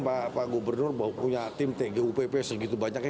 makanya ini kan pak gubernur punya tim tgupp segitu banyaknya